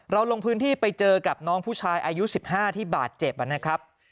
ลงพื้นที่ไปเจอกับน้องผู้ชายอายุ๑๕ที่บาดเจ็บนะครับ